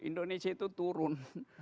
indonesia itu turun